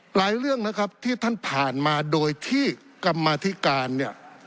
เรื่องนะครับที่ท่านผ่านมาโดยที่กรรมาธิการเนี่ย